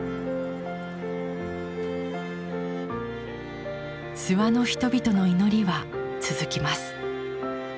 諏訪の人々の祈りは続きます。